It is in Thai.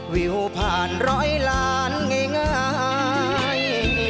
วิวผ่านร้อยล้านง่าย